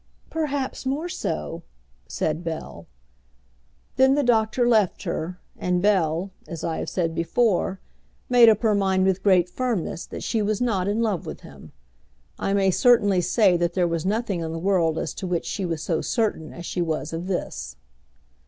"Perhaps more so," said Bell. Then the doctor left her, and Bell, as I have said before, made up her mind with great firmness that she was not in love with him. I may certainly say that there was nothing in the world as to which she was so certain as she was of this.